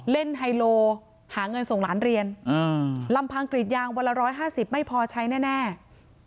ไฮโลหาเงินส่งหลานเรียนลำพังกรีดยางวันละ๑๕๐ไม่พอใช้แน่